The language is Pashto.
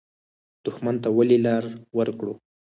دښمن ته ولې لار ورکړو؟